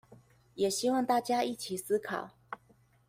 也希望大家一起思考